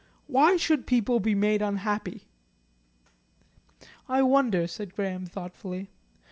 Why should people be made unhappy?" "I wonder," said Graham thoughtfully.